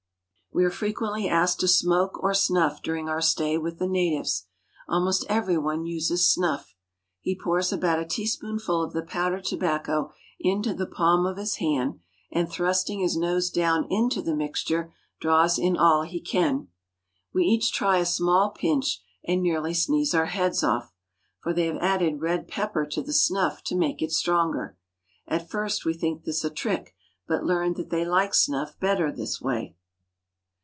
We are frequently asked to smoke or snuff during our stay with the natives. Almost every one uses snuff. He pours about a teaspoonful of the powdered tobacco into the palm of his hand, and thrusting his nose down into the mixture draws in all he can. We each try a small pinch, and nearly sneeze our heads off; for they have added red pepper to the snuff to make it stronger. At first we think this a trick, but learn that they like snuff better that way.